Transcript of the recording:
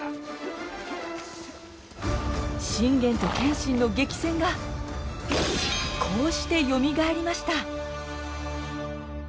信玄と謙信の激戦がこうしてよみがえりました。